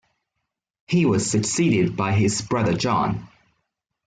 He was succeeded by his brother John.